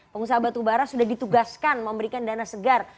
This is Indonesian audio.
pengusaha batu bara sudah ditugaskan memberikan dana segar